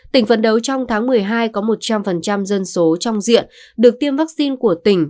tỉnh phấn đấu trong tháng một mươi hai có một trăm linh dân số trong diện được tiêm vaccine của tỉnh